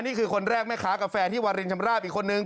นี่คือคนแรกแม่ค้ากาแฟที่วารินชำราบอีกคนนึง